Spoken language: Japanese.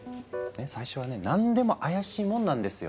最初はね何でも怪しいもんなんですよ。